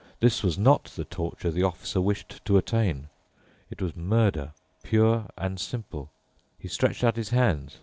This was not the torture the Officer wished to attain. It was murder, pure and simple. He stretched out his hands.